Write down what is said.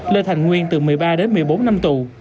lê thành nguyên từ một mươi ba đến một mươi bốn năm tù